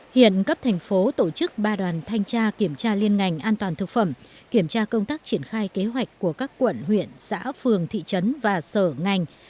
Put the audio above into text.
hiện cấp thành phố tổ chức ba đoàn thanh tra kiểm tra liên ngành an toàn thực phẩm kiểm tra công tác triển khai kế hoạch của các quận huyện xã phường thị trấn và sở ngành